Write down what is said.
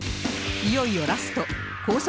いよいよラストああ！